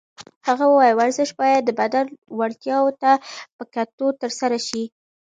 هغې وویل ورزش باید د بدن وړتیاوو ته په کتو ترسره شي.